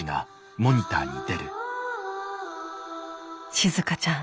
「しずかちゃん。